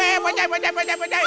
eh pajayu pajayu pajayu